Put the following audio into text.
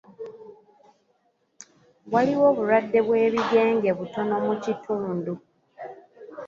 Waliwo obulwadde bw'ebigenge butono mu kitundu.